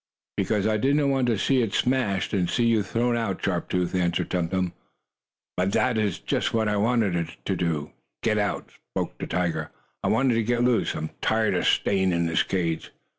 "Because I did not want to see it smashed, and see you thrown out, Sharp Tooth," answered Tum Tum. "But that is just what I wanted to do get out," spoke the tiger. "I want to get loose! I am tired of staying in the cage!"